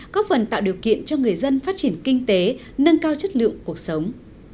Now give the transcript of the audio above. góp phần tạo điều kiện cho người dân phát triển kinh tế nâng cao chất lượng cuộc sống